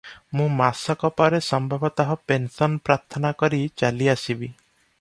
ମୁଁ ମାସକ ପରେ ସମ୍ଭବତଃ ପେନ୍ସନ୍ ପ୍ରାର୍ଥନା କରି ଚାଲିଆସିବି ।"